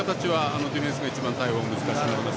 ディフェンスが一番対応、難しいと思います。